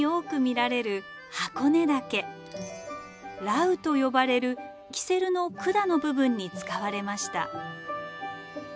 羅宇と呼ばれるキセルの管の部分に使われました。